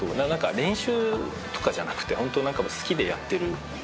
練習とかじゃなくてホント好きでやってる。